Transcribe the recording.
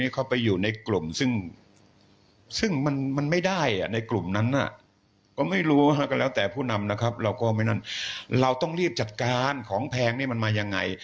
ก็ไม่รู้แล้วแต่ผู้นำนะครับเราต้องรีบจัดการของแพงมันมายังไง